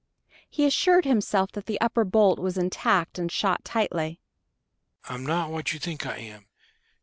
He assured himself that the upper bolt was intact and shot tightly. "I'm not what you think I am....